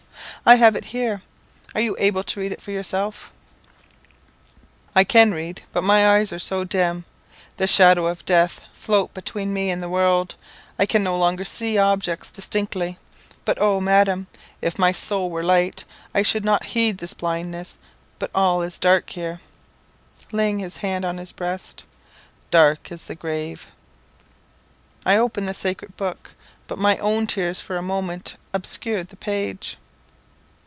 "I have it here. Are you able to read it for yourself?" "I can read but my eyes are so dim. The shadows of death float between me and the world; I can no longer see objects distinctly. But oh, Madam, if my soul were light, I should not heed this blindness. But all is dark here," laying his hand on his breast, "dark as the grave." I opened the sacred book, but my own tears for a moment obscured the page.